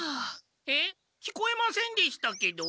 えっ聞こえませんでしたけど？